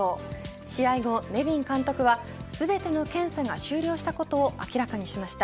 試合後、ネビン監督は全ての検査が終了したことを明らかにしました。